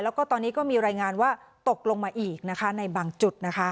แล้วก็ตอนนี้ก็มีรายงานว่าตกลงมาอีกนะคะในบางจุดนะคะ